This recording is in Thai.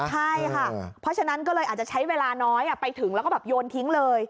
ใช่ค่ะเพราะฉะนั้นก็เลยอาจจะใช้เวลาน้อยไปถึงแล้วก็แบบโยนทิ้งเลย